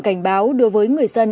cảnh báo đưa với người dân